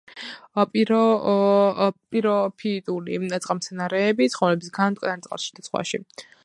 პიროფიტული წყალმცენარეები ცხოვრობენ მტკნარ წყალში და ზღვაში.